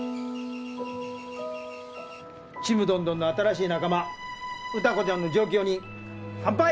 ちむどんどんの新しい仲間歌子ちゃんの上京に乾杯！